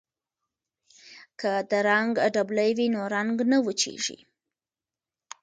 که د رنګ ډبلي وي نو رنګ نه وچیږي.